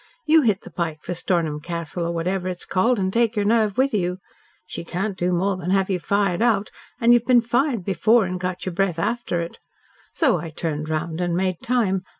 YOU hit the pike for Stornham Castle, or whatever it's called, and take your nerve with you! She can't do more than have you fired out, and you've been fired before and got your breath after it. So I turned round and made time.